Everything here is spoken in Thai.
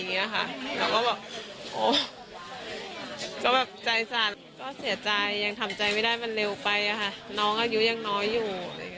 เราก็บอกโอ้ก็แบบใจสั่นก็เสียใจยังทำใจไม่ได้มันเร็วไปค่ะน้องอายุยังน้อยอยู่